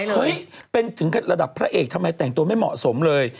เฮ้ยเป็นถึงระดับพระเอกทำไมแต่งตัวไม่เหมาะสมเลย